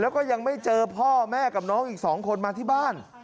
แล้วก็ยังไม่เจอพ่อแม่กับน้องอีก๒คนมาที่บ้าน